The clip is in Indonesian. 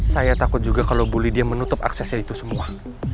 saya takut juga kalau bully dia menutup aksesnya itu semua